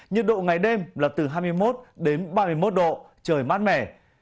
nhiệt độ ngày đêm là từ hai mươi một đến ba mươi một độ trời mát mẻ